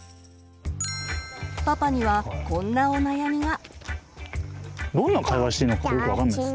パパにはこんなお悩みが。